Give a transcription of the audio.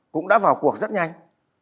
cũng đã vào cuộc rất nhanh